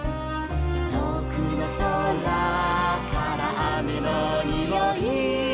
「とおくのそらからあめのにおい」